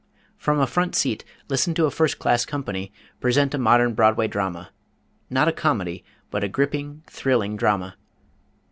From a front seat listen to a first class company present a modern Broadway drama not a comedy, but a gripping, thrilling drama.